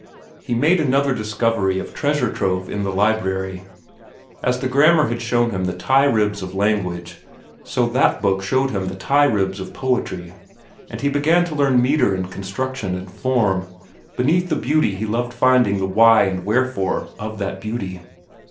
He made another discovery of treasure trove in the library. As the grammar had shown him the tie ribs of language, so that book showed him the tie ribs of poetry, and he began to learn metre and construction and form, beneath the beauty he loved finding the why and wherefore of that beauty.